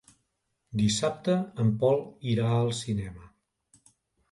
Dissabte en Pol irà al cinema.